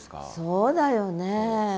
そうだよね。